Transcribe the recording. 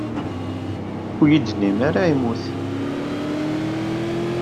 Ur iyi-d-ttinimt ara yemmut.